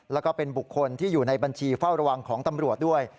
แล้วก็เป็นบุคคลที่อยู่ในบัญชีเฝ้าระวังของตำรวจด้วย